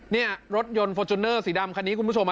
นี่รถยนต์ฟอร์จูเนอร์สีดำคันนี้คุณผู้ชม